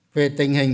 về tình hình